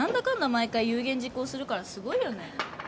毎回有言実行するからすごいよね